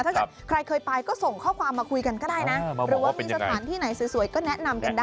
ถ้าเกิดใครเคยไปก็ส่งข้อความมาคุยกันก็ได้นะหรือว่ามีสถานที่ไหนสวยก็แนะนำกันได้